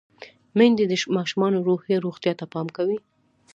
میندې د ماشومانو روحي روغتیا ته پام کوي۔